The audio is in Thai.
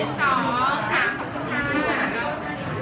ขอบคุณแม่ก่อนต้องกลางนะครับ